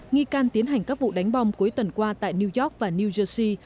nghi can tiến hành các vụ đánh bom cuối tuần qua tại new york và new jersey